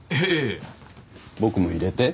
僕も入れて。